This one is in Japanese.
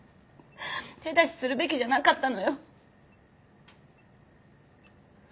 手出しするべきじゃなかったのよ。